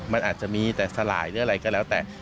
มันอาจจะมีแต่สลายหรืออะไรก็แล้วแต่